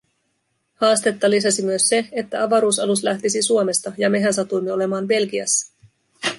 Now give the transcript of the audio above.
Haastetta lisäsi myös se, että avaruusalus lähtisi Suomesta, ja mehän satuimme olemaan Belgiassa.